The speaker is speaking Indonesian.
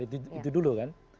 itu dulu kan